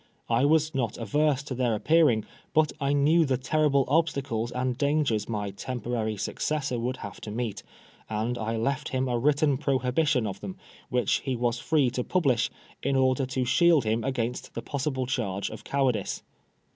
I was not averse to their appearing, but I knew the terrible obstacles and dangers my temporary successor would have to meet, and I left him a written prohibition of them, which he was free to publish, in order to shield him against the possible charge of cowardice.